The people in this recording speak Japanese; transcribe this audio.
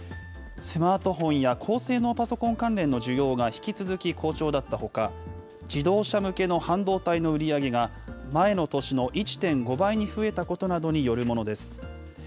スマートフォンや高性能パソコン関連の需要が引き続き好調だったほか、自動車向けの半導体の売り上げが、前の年の１．５倍に増えたことなどによるものです。